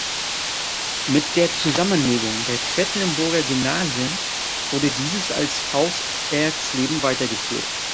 Mit der Zusammenlegung der Quedlinburger Gymnasien wurde dieses als "Haus Erxleben" weitergeführt.